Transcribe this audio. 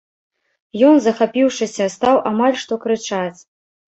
Ён, захапіўшыся, стаў амаль што крычаць.